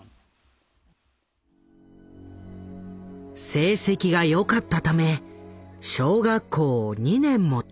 成績が良かったため小学校を２年も飛び級。